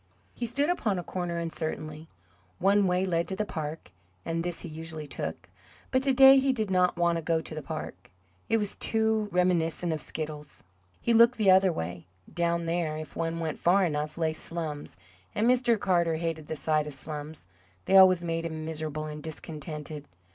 He stood upon a corner uncertainly. One way led to the park, and this he usually took; but to day he did not want to go to the park it was too reminiscent of Skiddles. He looked the other way. Down there, if one went far enough, lay "slums," and Mr. Carter hated the sight of slums; they always made him miserable and discontented.